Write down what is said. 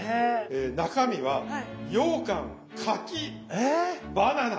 中身はようかん柿バナナ。